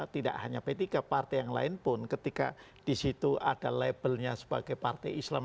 tidak hanya p tiga partai yang lain pun ketika di situ ada labelnya sebagai partai islam